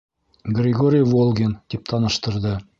— Григорий Волгин, — тип таныштырҙы.